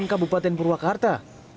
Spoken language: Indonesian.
ikon kabupaten purwakarta